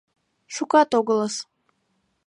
Шукат огылыс.